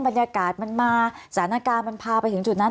บรรยากาศมันมาสถานการณ์มันพาไปถึงจุดนั้น